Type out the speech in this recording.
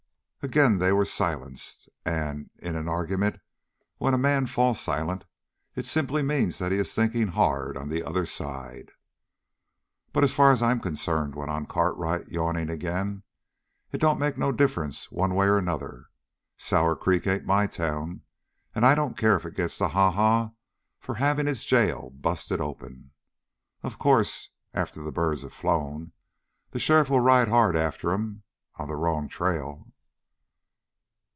Again they were silenced, and in an argument, when a man falls silent, it simply means that he is thinking hard on the other side. "But as far as I'm concerned," went on Cartwright, yawning again, "it don't make no difference one way or another. Sour Creek ain't my town, and I don't care if it gets the ha ha for having its jail busted open. Of course, after the birds have flown, the sheriff will ride hard after 'em on the wrong trail!"